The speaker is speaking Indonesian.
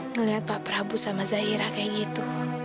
ngelihat pak prabu sama zaira kayak gitu